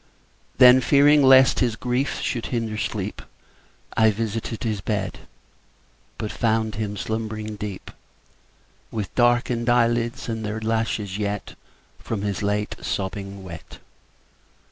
Then, fearing lest his grief should hinder sleep, I visited his bed, But found him slumbering deep, With darken'd eyelids, and their lashes yet 10 From his late sobbing wet.